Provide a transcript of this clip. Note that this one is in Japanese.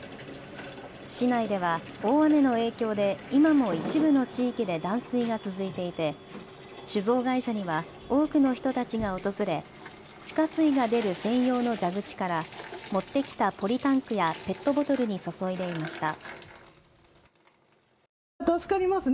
市内では大雨の影響で今も一部の地域で断水が続いていて酒造会社には多くの人たちが訪れ地下水が出る専用の蛇口から持ってきたポリタンクやペットボトルに注いでいました。